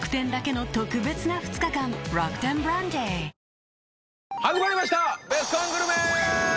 ニトリ始まりましたベスコングルメ！